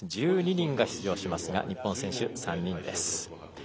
１２人が出場しますが日本選手３人です。